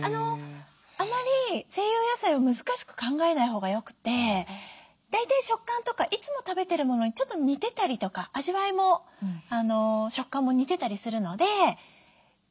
あまり西洋野菜を難しく考えないほうがよくて大体食感とかいつも食べてるものにちょっと似てたりとか味わいも食感も似てたりするので和食にも意外に合うんですね。